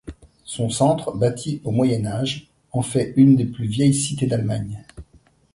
Son centre, bâti au Moyen Âge, en fait une des plus vieilles cités d'Allemagne.